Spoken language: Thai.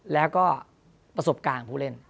แล้วก็ประสบการณ์ของผู้เล่น